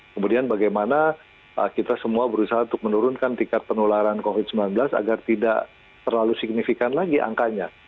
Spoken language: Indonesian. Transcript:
kemudian bagaimana kita semua berusaha untuk menurunkan tingkat penularan covid sembilan belas agar tidak terlalu signifikan lagi angkanya